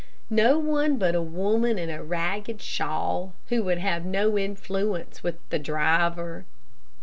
No one but a woman in a ragged shawl who would have no influence with the driver.